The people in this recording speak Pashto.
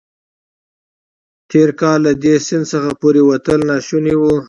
تېر کال له دې سیند څخه پورېوتل ناشوني وو.